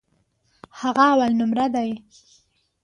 هغه اولنومره دی.